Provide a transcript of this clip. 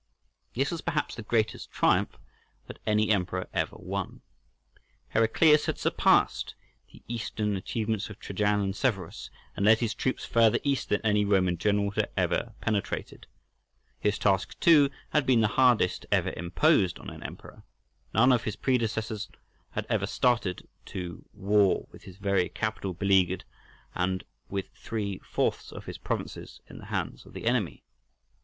This was, perhaps, the greatest triumph that any emperor ever won. Heraclius had surpassed the eastern achievements of Trajan and Severus, and led his troops further east than any Roman general had ever penetrated. His task, too, had been the hardest ever imposed on an emperor; none of his predecessors had ever started to war with his very capital beleaguered and with three fourths of his provinces in the hands of the enemy.